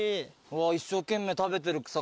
一生懸命食べてる草。